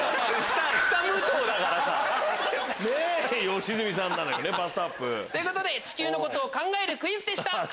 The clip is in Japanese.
良純さんなのにバストアップ。ということで地球のことを考えるクイズでした。